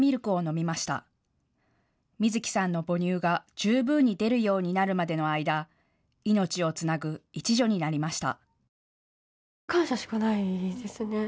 みずきさんの母乳が十分に出るようになるまでの間、命をつなぐ一助になりました。